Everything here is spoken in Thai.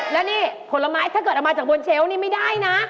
แล้วนี่ผลไม้ถ้าเกิดเอามาจากบนเชลล์นี่ไม่ได้นะ